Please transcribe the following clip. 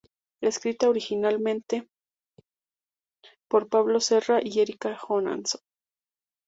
Escrita originalmente por Pablo Serra y Erika Johanson.